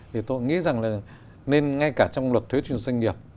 thì tôi nghĩ rằng là nên ngay cả trong luật thuế doanh nghiệp